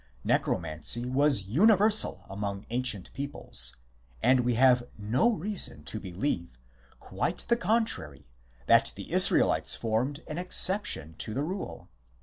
Necromancy was universal among ancient peoples, and we have no reason to believe quite the con trary that the Israelites formed an exception to the rule.